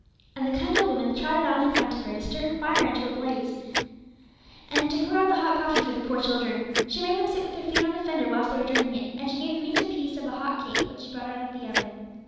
And the kind old woman trotted on in front to stir her fire into a blaze, and to pour out the hot coffee for the poor children. She made them sit with their feet on the fender whilst they were drinking it, and she gave them each a piece of a hot cake, which she brought out of the oven.